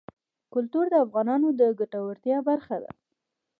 کلتور د افغانانو د ګټورتیا برخه ده.